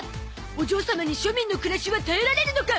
お嬢様に庶民の暮らしは耐えられるのか？